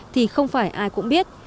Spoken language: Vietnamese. thì không phải ai cũng biết